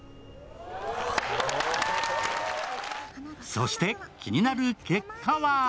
そして気になる結果は？